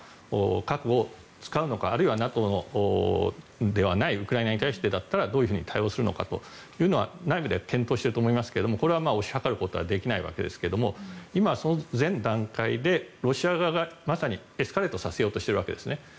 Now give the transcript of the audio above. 核を使うのかあるいはＮＡＴＯではないウクライナに対してだったらどういうふうに対応するのかと内部で検討していると思いますがこれは推し量ることはできないわけですが今、前段階でロシア側がまさにエスカレートしようとしているわけですね。